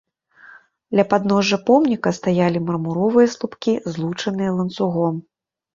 Ля падножжа помніка стаялі мармуровыя слупкі, злучаныя ланцугом.